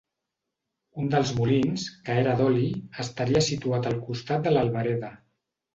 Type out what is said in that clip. Un dels molins, que era d'oli, estaria situat al costat de l'Albereda.